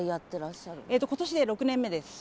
今年で６年目です。